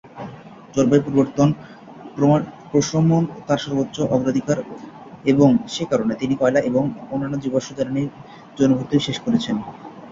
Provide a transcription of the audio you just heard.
জলবায়ু পরিবর্তন প্রশমন তার সর্বোচ্চ অগ্রাধিকার, এবং সে কারণে তিনি কয়লা এবং অন্যান্য জীবাশ্ম জ্বালানীর জন্য ভর্তুকি শেষ করছেন।